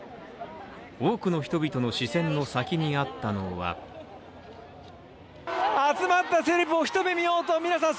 多くの人々の視線の先にあったのは集まったセレブを一目見ようと皆さん